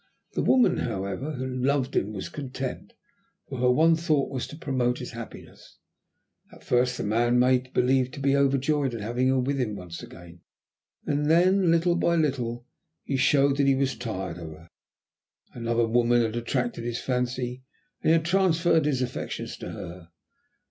The woman, however, who loved him, was content, for her one thought was to promote his happiness. At first the man made believe to be overjoyed at having her with him once again, then, little by little, he showed that he was tired of her. Another woman had attracted his fancy, and he had transferred his affections to her.